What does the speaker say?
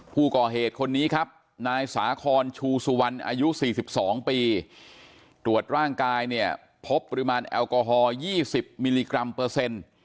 ผู้ก่อเหตุคนนี้ครับนายสาคอนชูสุวรรณอายุ๔๒ปีตรวจร่างกายเนี่ยพบปริมาณแอลกอฮอล๒๐มิลลิกรัมเปอร์เซ็นต์